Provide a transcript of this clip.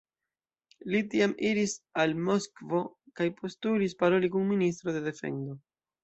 Li tiam iris al Moskvo kaj postulis paroli kun ministro de defendo.